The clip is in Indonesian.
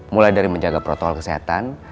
mulai dari menjaga protokol kesehatan